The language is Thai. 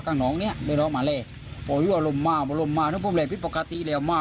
ข้างน้องเนี้ยเฮีย